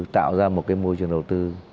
tạo ra một môi trường đầu tư